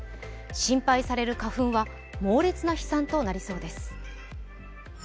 心配される花粉は、猛烈な飛散となりそうです。